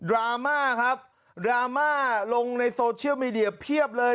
รามาลงในโซเชียลมีเดียเพียบเลย